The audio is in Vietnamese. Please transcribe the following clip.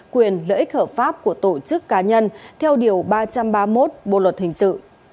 quyền lợi ích hợp pháp của tổ chức cá nhân theo điều ba trăm ba mươi một bộ luật hình sự